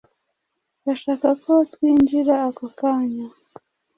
Bashaka ko twinjira ako kanya.